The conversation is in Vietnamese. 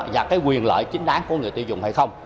và cái quyền lợi chính đáng của người tiêu dùng hay không